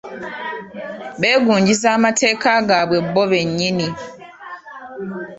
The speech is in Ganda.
Beegunjiza amateeka agaabwe bo bennyini